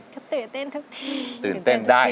ก็ตื่นเต้นทุกที